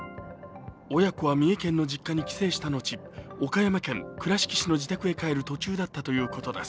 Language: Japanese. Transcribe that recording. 親子は三重県の実家に帰省したのち岡山県倉敷市の自宅へ帰る途中だったということです。